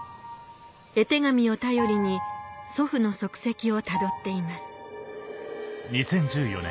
絵手紙を頼りに祖父の足跡をたどっています